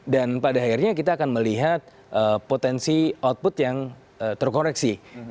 dan pada akhirnya kita akan melihat potensi output yang terkoreksi